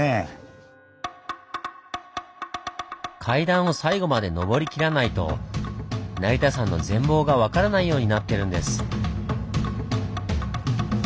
階段を最後まで上りきらないと成田山の全貌が分からないようになってるんです。